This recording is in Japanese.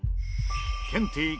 ケンティー